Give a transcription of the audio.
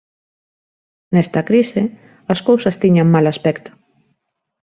Nesta crise, as cousas tiñan mal aspecto.